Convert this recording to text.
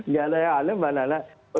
gak ada yang aneh mbak nana